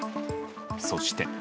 そして。